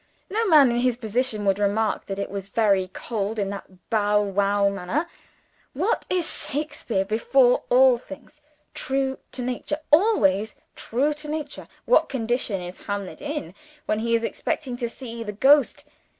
No man in his position would remark that it was very cold in that bow wow manner. What is Shakespeare before all things? True to nature; always true to nature. What condition is Hamlet in when he is expecting to see the Ghost?